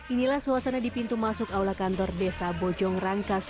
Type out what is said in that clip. inilah suasana di pintu masuk aula kantor desa bojong rangkas